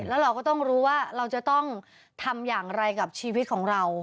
แล้วเราก็ต้องรู้ว่าเราจะต้องทำอย่างไรกับชีวิตของเรา